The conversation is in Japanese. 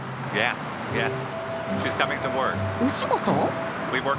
お仕事？